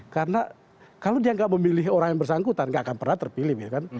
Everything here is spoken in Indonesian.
karena kalau dia nggak memilih orang yang bersangkutan nggak akan pernah terpilih